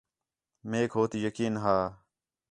میک ہو تی یقین ہا